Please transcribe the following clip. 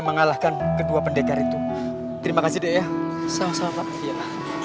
mengalahkan kedua pendekar itu terima kasih deh ya sama sama pak firna